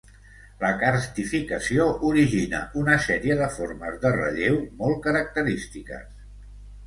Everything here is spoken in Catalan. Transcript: La carstificació origina una sèrie de formes de relleu molt característiques.